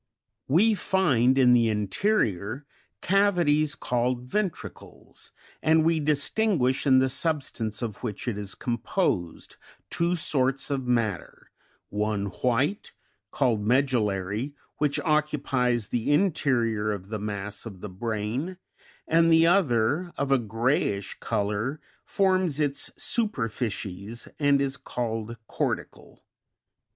We find in the inte rior, cavities called ventricles, and we distinguish in the sub stance of which it is composed, two sorts of matter, one white, called medullary, which occu pies the interior of the mass of the brain, and the other, of a greyish colour, forms its super ficies, and is called cortical.